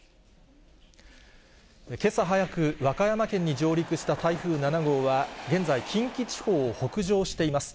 けさ早く、和歌山県に上陸した台風７号は、現在、近畿地方を北上しています。